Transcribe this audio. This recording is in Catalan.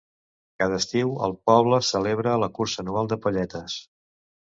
Cada estiu, el poble celebra la cursa anual de palletes.